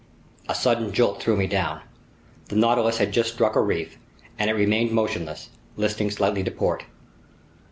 A sudden jolt threw me down. The Nautilus had just struck a reef, and it remained motionless, listing slightly to port.